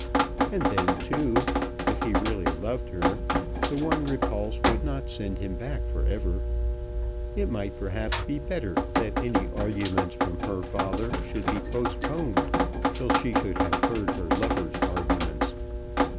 And then, too, if he really loved her, the one repulse would not send him back for ever. It might, perhaps, be better that any arguments from her father should be postponed till she should have heard her lover's arguments.